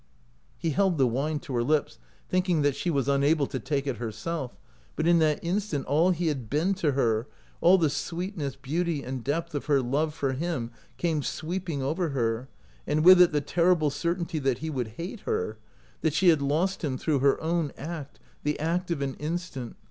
He held the wine to her lips, thinking that she was unable to take it herself ; but in that instant all he had been to her, all the sweet ness, beauty, and depth of her love for him came sweeping over her, and with it the terrible certainty that he would hate her — that she had lost him through her own act, the act of an instant.